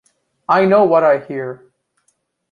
I know what I hear.